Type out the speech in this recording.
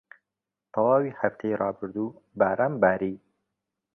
تەواوی هەفتەی ڕابردوو باران باری.